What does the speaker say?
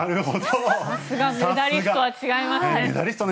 さすがメダリストは違いますね。